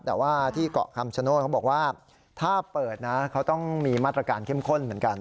แต่ว่าที่เกาะคำชโนธเขาบอกว่าถ้าเปิดนะเขาต้องมีมาตรการเข้มข้นเหมือนกัน